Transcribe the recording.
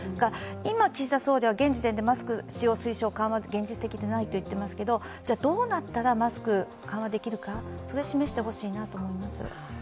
今岸田総理は現時点で、マスクを外す推奨の緩和はまだと言っていますが、どうなったらマスクを緩和できるかを示してほしいなと思います。